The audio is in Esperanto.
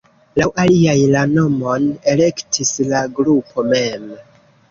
Laŭ aliaj la nomon elektis la grupo mem.